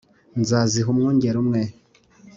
nzaziha umwungeri umwe .